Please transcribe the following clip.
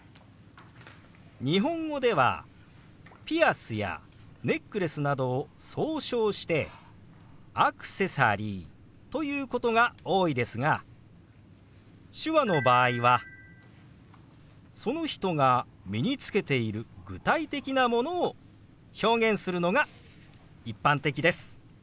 日本語ではピアスやネックレスなどを総称して「アクセサリー」と言うことが多いですが手話の場合はその人が身につけている具体的なものを表現するのが一般的です。